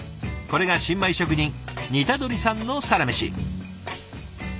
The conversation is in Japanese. これが新米職人似鳥さんのサラメシ。